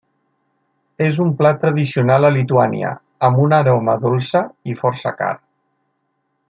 És un plat tradicional a Lituània, amb una aroma dolça i força car.